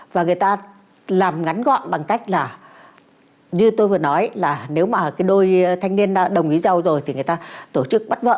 và người ta làm ngắn gọn bằng cách là như tôi vừa nói là nếu mà cái đôi thanh niên đồng ý rau rồi thì người ta tổ chức bắt vợ